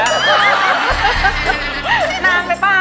นั่งไปเปล่า